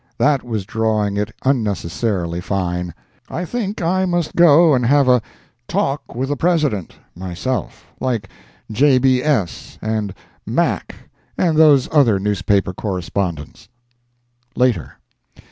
That was drawing it unnecessarily fine. I think I must go and have a "Talk with the President" myself, like "J.B.S." and "Mack," and those other newspaper correspondents. Later.